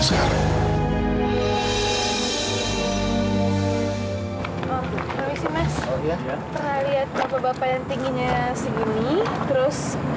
pernah liat bapak bapak yang tingginya segini terus